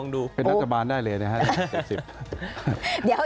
ได้นัดทบาลได้เลยนะครับ